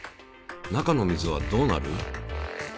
中の水はどうなる？